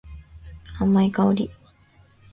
甘い香り。